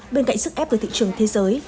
bên cạnh sức ép về thị trường thế giới